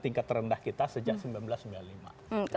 tingkat terendah kita sejak seribu sembilan ratus sembilan puluh lima